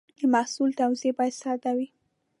د محصول توضیح باید ساده وي.